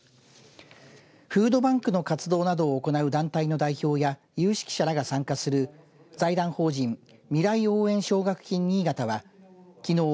フードバンクの活動などを行う団体の代表や有識者らが参加する財団法人未来応援奨学金にいがたはきのう